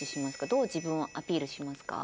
どう自分をアピールしますか？